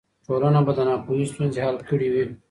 ټولنه به د ناپوهۍ ستونزې حل کړې وي.